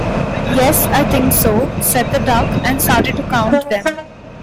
“Yes, I think so,” said the duck and started to count them.